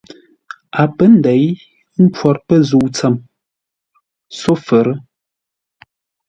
A pə́ nděi ə́ nkhwor pə́ zə̂u tsəm sófə́rə́.